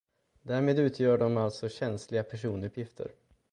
Därmed utgör de alltså känsliga personuppgifter.